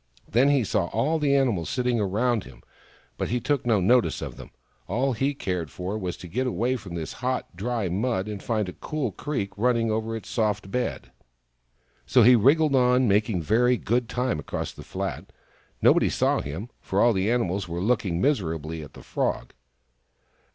Then he saw all the animals sitting about him, but he took no notice of them. All he cared for was to get away from this hot, dry mud, and find a cool creek running over its soft bed. 126 THE FROG THAT LAUGHED So he wriggled on, making very good time across the flat. Nobody saw him, for all the animals were looking miserably at the Frog.